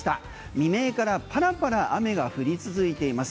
未明からパラパラ雨が降り続いています。